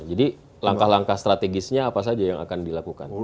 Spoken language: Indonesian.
jadi langkah langkah strategisnya apa saja yang akan dilakukan